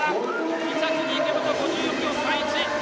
２着に池本で５４秒３１。